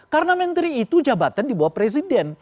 karena menteri itu jabatan di bawah presiden